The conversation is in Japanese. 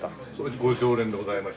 ご常連でございまして。